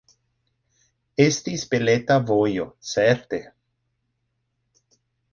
Estis beleta vojo, certe!